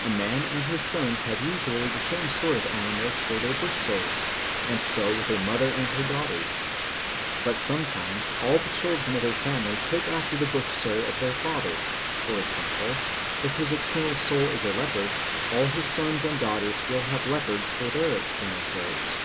A man and his sons have usually the same sort of animals for their bush souls, and so with a mother and her daughters. But sometimes all the children of a family take after the bush soul of their father; for example, if his external soul is a leopard, all his sons and daughters will have leopards for their external souls.